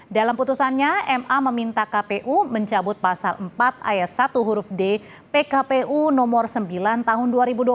dalam putusannya ma meminta kpu mencabut pasal empat ayat satu huruf d pkpu nomor sembilan tahun dua ribu dua puluh